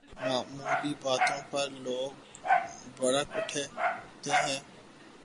معمولی باتوں پر لوگ بھڑک اٹھتے ہیں۔